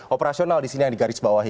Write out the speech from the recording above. operasional di sini yang digarisbawahi